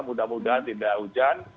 mudah mudahan tidak hujan